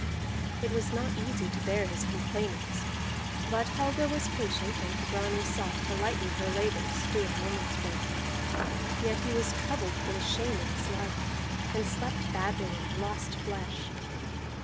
It was not easy to bear his complainings; but Helga was patient, and Grani sought to lighten her labors, doing woman's work. Yet he was troubled for the shame of his life, and slept badly, and lost flesh.